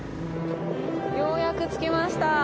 ようやく着きました。